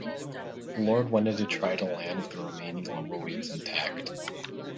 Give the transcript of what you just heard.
Lord wanted to try to land with the remaining lower wings intact.